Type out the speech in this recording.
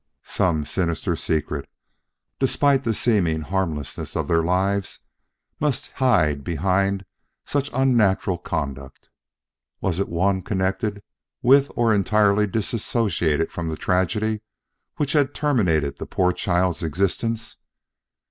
Some sinister secret, despite the seeming harmlessness of their lives, must hide behind such unnatural conduct! Was it one connected with or entirely dissociated from the tragedy which had terminated the poor child's existence?